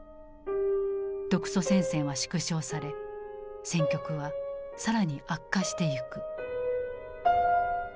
独ソ戦線は縮小され戦局は更に悪化してゆく。